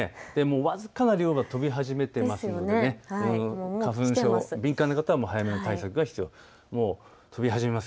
僅かな量が飛び始めていますので花粉症、敏感な方は早めの対策が必要です。